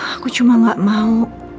aku cuma gak mau